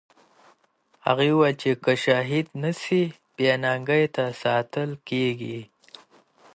هغې وویل چې که شهید نه سي، بې ننګۍ ته ساتل کېږي.